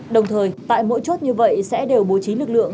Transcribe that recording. đồng thời tại mỗi chốt như vậy sẽ đều bố trí lực lượng